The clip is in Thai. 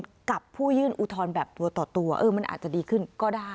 ข้อมูลกับผู้ยื่นอุทรแบบตัวต่อตัวมันอาจจะดีขึ้นก็ได้